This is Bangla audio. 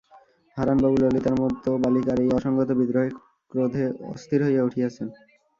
হারানবাবু ললিতার মতো বালিকার এই অসংগত বিদ্রোহে ক্রোধে অস্থির হইয়া উঠিয়াছেন।